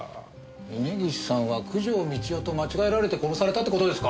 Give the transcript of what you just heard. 峰岸さんは九条美千代と間違えられて殺されたって事ですか？